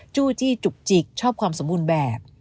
จู้จี้จุกจิกชอบความสมบูรณ์แบบ